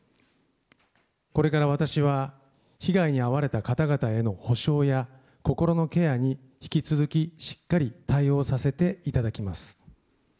これから私は、被害に遭われた方々への補償や心のケアに引き続きしっかり対応させていただきます。